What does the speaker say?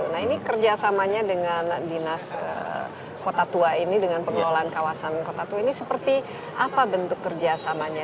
nah ini kerjasamanya dengan dinas kota tua ini dengan pengelolaan kawasan kota tua ini seperti apa bentuk kerjasamanya